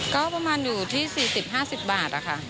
ก็ประมาณอยู่ที่๔๐๕๐บาทค่ะ